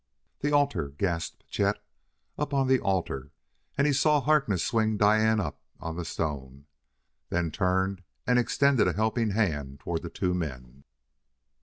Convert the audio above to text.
"The altar," gasped Chet; "up on the altar!" And he saw Harkness swing Diane up on the stone, then turn and extend a helping hand toward the two men.